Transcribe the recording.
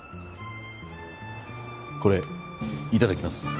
これいただきます